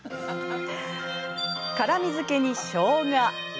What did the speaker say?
辛みづけに、しょうが。